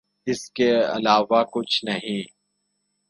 اس کے علاوہ کچھ نہیں۔